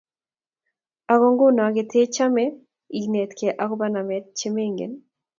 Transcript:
ako nguno ketechame inetgei akobo namet che mengen